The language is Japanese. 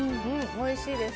おいしいです。